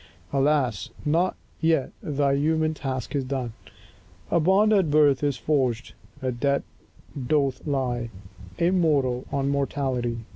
Alas, not yet thy human task is done! A bond at birth is forged; a debt doth lie Immortal on mortality.